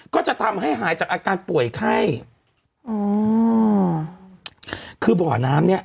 ก็จะทำให้หายจากอาการป่วยไข้อืมคือบ่อน้ำเนี้ย